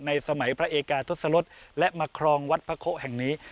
สมัยพระเอกาทศลศและมาครองวัดพระโคะแห่งนี้